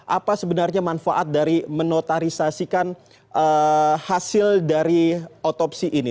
apa sebenarnya manfaat dari menotarisasikan hasil dari otopsi ini